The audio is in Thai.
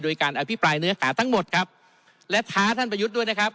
โดยการอภิปรายเนื้อขาทั้งหมดครับและท้าท่านประยุทธ์ด้วยนะครับ